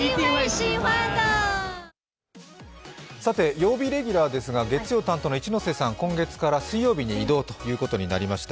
曜日レギュラーですが月曜担当の一ノ瀬さん、今月から水曜日に移動ということになりました。